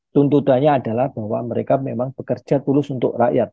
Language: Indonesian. tuntutannya adalah bahwa mereka memang bekerja tulus untuk rakyat